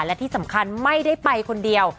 และที่สำคัญไม่ได้ไปคนเดียว